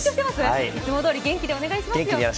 いつもどおり元気でお願いします。